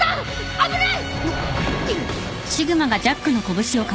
危ない！